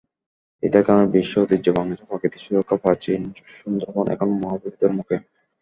এদের কারণে বিশ্ব ঐতিহ্য, বাংলাদেশের প্রাকৃতিক সুরক্ষা প্রাচীর সুন্দরবন এখন মহাবিপদের মুখে।